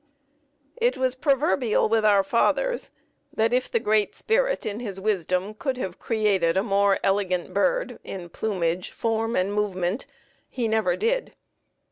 It was proverbial with our fathers that if the Great Spirit in His wisdom could have created a more elegant bird in plumage, form, and movement, He never did.